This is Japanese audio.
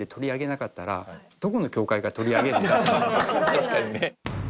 確かにね。